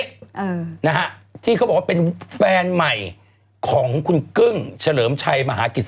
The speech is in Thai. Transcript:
อ่านะฮะที่เขาบอกว่าเป็นแฟนใหม่ของคุณกึ้งเฉลิมชัยมหากิจ